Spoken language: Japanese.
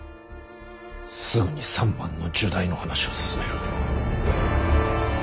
すぐに三幡の入内の話を進める。